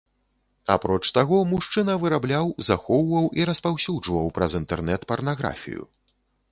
Апроч таго, мужчына вырабляў, захоўваў і распаўсюджваў праз інтэрнэт парнаграфію.